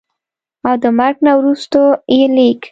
او دَمرګ نه وروستو ئې ليک